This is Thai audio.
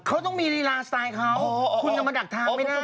เขาต้องมีลีลาสไตล์เขาคุณจะมาดักทางไม่ได้